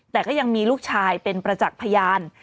แต่ก็ยังมีลูกชายเป็นประจักษ์พยาน